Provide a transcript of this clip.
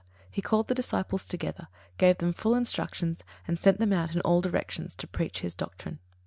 He called the disciples together, gave them full instructions, and sent them out in all directions to preach his doctrine.